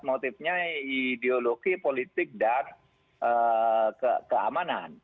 motifnya ideologi politik dan keamanan